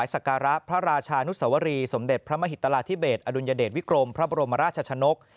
สการะพระราชานุสวรีสมเด็จพระมหิตราธิเบสอดุลยเดชวิกรมพระบรมราชชนก